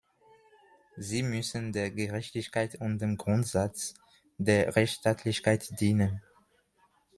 Sie müssen der Gerechtigkeit und dem Grundsatz der Rechtsstaatlichkeit dienen.